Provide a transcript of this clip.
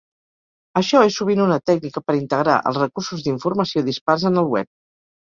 Això és sovint una tècnica per integrar els recursos d'informació dispars en el web.